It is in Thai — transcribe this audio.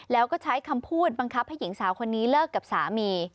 แล้วก็ใช้คำพูดบังคับให้หญิงสาวคนนี้เลิกกับสามี